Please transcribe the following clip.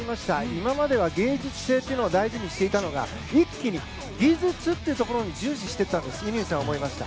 今までは芸術性というのを大事にしていたのが一気に技術というところに重視していったように乾さんは思いました。